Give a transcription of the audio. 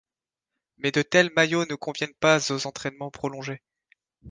Mais de tels maillots ne conviennent pas aux entraînements prolongés.